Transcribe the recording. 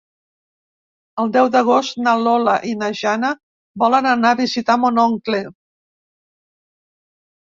El deu d'agost na Lola i na Jana volen anar a visitar mon oncle.